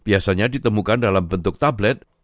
biasanya ditemukan dalam bentuk tablet